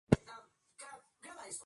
Eres un cabeza de chorlito